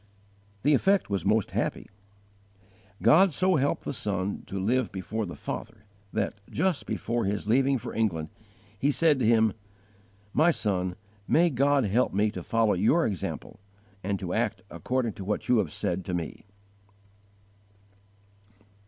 The effect was most happy. God so helped the son to live before the father that, just before his leaving for England, he said to him: "My son, may God help me to follow your example, and to act according to what you have said to me!"